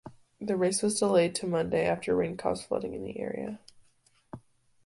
The race was delayed to Monday after rain caused flooding in the area.